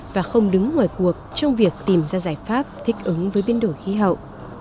và không đứng ngoài cuộc trong việc tìm ra giải pháp thích ứng với biến đổi khí hậu